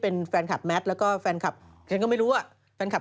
อ๋อส่งการก็ลงอย่างนี้เหมือนกัน